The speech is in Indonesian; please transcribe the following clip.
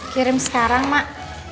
kirim sekarang mak